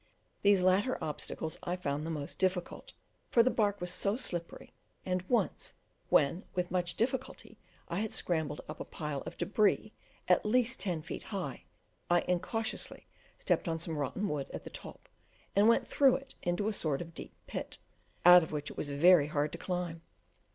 These latter obstacles I found the most difficult, for the bark was so slippery; and once, when with much difficulty I had scrambled up a pile of debris at least ten feet high, I incautiously stepped on some rotten wood at the top, and went through it into a sort of deep pit, out of which it was very hard to climb.